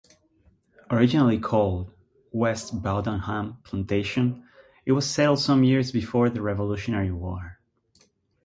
Originally called West Bowdoinham Plantation, it was settled some years before the Revolutionary War.